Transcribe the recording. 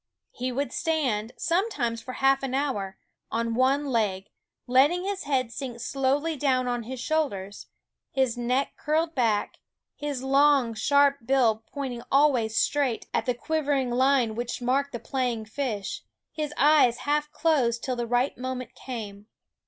He would stand, sometimes for a half hour, on one leg, letting his head sink slowly down on his shoulders, his neck curled back, his long sharp bill pointing always straight at the quivering 1 84 Quoskh Keen Eyed 9 SCHOOL OF line which marked the playing fish, his eyes half closed till the right moment came.